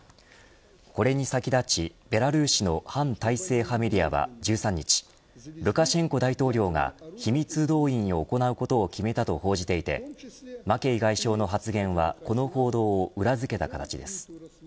これに先立ち、ベラルーシの反体制派メディアは１３日ルカシェンコ大統領が秘密動員を行うことを決めたと報じていてマケイ外相の発言はこの報道を裏づけた形です。